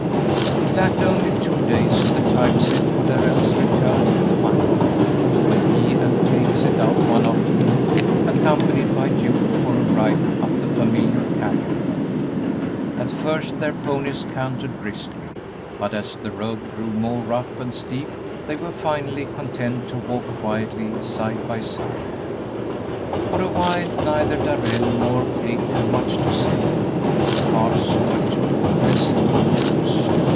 It lacked only two days of the time set for Darrell's return to the mining camp when he and Kate set out one afternoon accompanied by Duke for a ride up the familiar canyon road. At first their ponies cantered briskly, but as the road grew more rough and steep they were finally content to walk quietly side by side. For a while neither Darrell nor Kate had much to say. Their hearts were too oppressed for words.